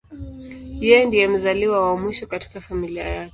Yeye ndiye mzaliwa wa mwisho katika familia yake.